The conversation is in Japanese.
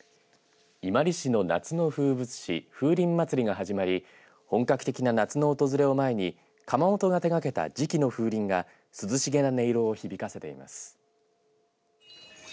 伊万里市の夏の風物詩風鈴まつりが始まり本格的な夏の訪れを前に窯元が手がけた磁器の風鈴が涼しげな音色を響かせています。